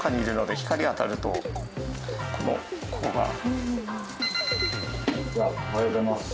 ではおはようございます。